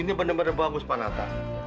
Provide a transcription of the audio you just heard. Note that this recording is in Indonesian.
ini benar benar bagus pak natal